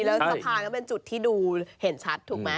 แล้วสะพานก็เป็นจุดที่ดูเห็นชัดถูกไหม